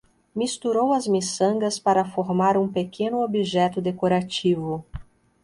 Misturou as miçangas para formar um pequeno objeto decorativo